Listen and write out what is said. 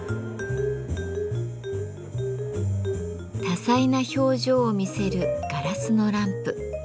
多彩な表情を見せるガラスのランプ。